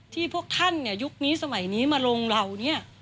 ที่พวกท่านยุคนี้สมัยนี้มาลงเรานี่